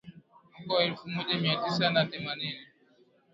Mwaka wa elfu moja mia tisa na themanini